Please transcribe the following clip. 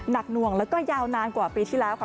นักหน่วงและยาวนานกว่าปีที่แล้ว